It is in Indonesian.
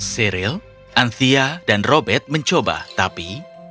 cyril anthea dan robert mencoba tapi